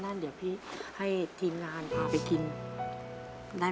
ถ้าไม่รีบก็กลับนะ